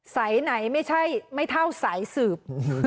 ใส่ไหนไม่เท่าใส่สืบ